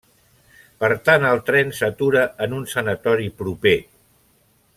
Per tant, el tren s'atura en un sanatori proper.